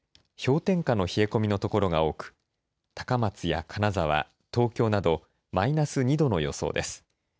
氷点下の冷え込みの所が多く高松や金沢、東京などマイナス２度の予想です。